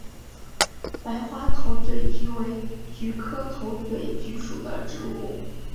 白花头嘴菊为菊科头嘴菊属的植物。